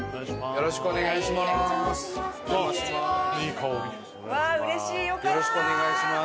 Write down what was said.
よろしくお願いします。